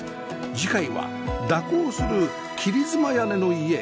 次回は蛇行する切妻屋根の家